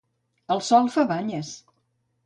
El sol fa banyes.